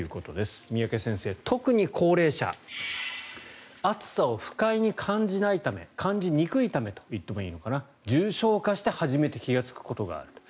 三宅先生、特に高齢者暑さを不快に感じないため感じにくいためといってもいいのかな、重症化して初めて気がつくことがあると。